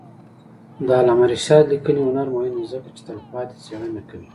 د علامه رشاد لیکنی هنر مهم دی ځکه چې تلپاتې څېړنې کوي.